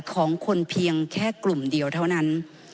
ของคนเพียงแค่กลุ่มเดียวเท่านั้น